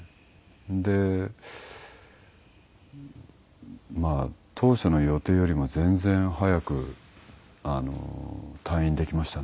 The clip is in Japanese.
でまあ当初の予定よりも全然早く退院できましたね。